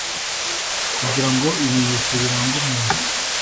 Kugira ngo ibimenyetso biranga umuntu